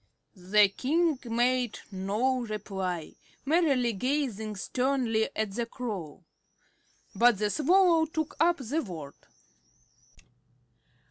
The King made no reply, merely gazing sternly at the Crow. But the Swallow took up the word.